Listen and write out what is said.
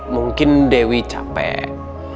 mungkin dewi capek